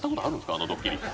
あのドッキリ。